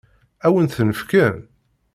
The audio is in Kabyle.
Ad wen-ten-fken?